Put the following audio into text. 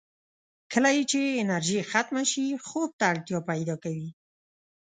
کله یې چې انرژي ختمه شي، خوب ته اړتیا پیدا کوي.